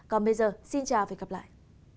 còn bây giờ xin chào và hẹn gặp lại